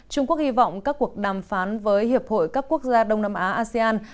trung quốc hy vọng các cuộc đàm phán với hiệp hội các quốc gia đông nam á asean